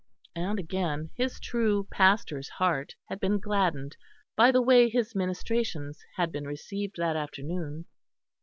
And again, his true pastor's heart had been gladdened by the way his ministrations had been received that afternoon.